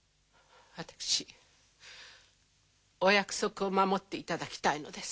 私お約束を守っていただきたいのです。